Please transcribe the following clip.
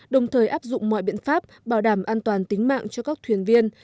đồng thời áp dụng mọi biện pháp bảo đảm an toàn tính mạng cho các thuyền viên